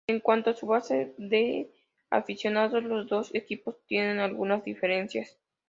En cuanto a su base de aficionados, los dos equipos tienen algunas diferencias.